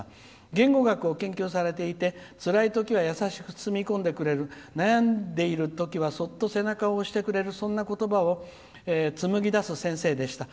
言語学を研究されていてつらいときは優しく包み込んでくれる悩んでいるときはそっと背中を押してくれるそんなことばをつむぎだす先生でした。